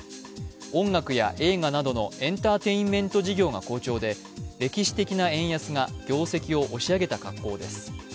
音楽や映画などのエンターテインメント事業が好調で歴史的な円安が業績を押し上げた格好です。